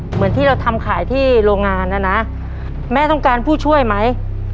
เหมือนที่เราทำขายที่โรงงานนะนะแม่ต้องการผู้ช่วยไหม